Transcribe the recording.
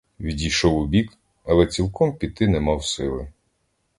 Відійшов убік, але цілком піти не мав сили.